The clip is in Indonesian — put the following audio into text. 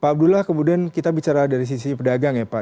pak abdullah kemudian kita bicara dari sisi pedagang ya pak